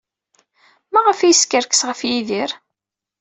Maɣef ay yeskerkes ɣef Yidir?